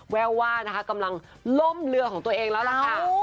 แววว่านะคะกำลังล่มเรือของตัวเองแล้วล่ะค่ะ